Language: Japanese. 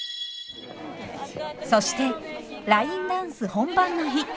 そしてラインダンス本番の日。